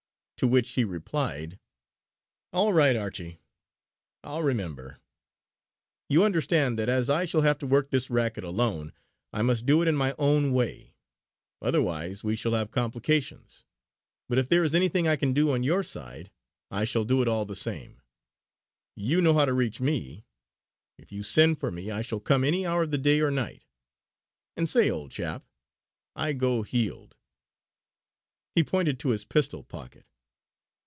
To which he replied: "All right, Archie, I'll remember. You understand that as I shall have to work this racket alone I must do it in my own way: otherwise we shall have complications. But if there is anything I can do on your side, I shall do it all the same. You know how to reach me. If you send for me I shall come any hour of the day or night. And say, old chap, I go heeled!" he pointed to his pistol pocket.